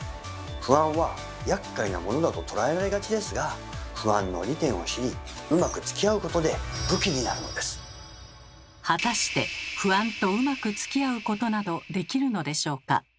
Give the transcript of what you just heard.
不安はやっかいなものだと捉えられがちですが不安の利点を知りうまくつきあうことで果たして不安とうまくつきあうことなどできるのでしょうか？